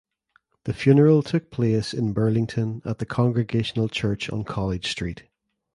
The funeral took place in Burlington at the Congregational Church on College Street.